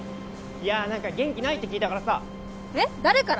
いや何か元気ないって聞いたからさえっ誰から？